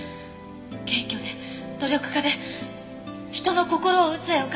謙虚で努力家で人の心を打つ絵を描き続けて。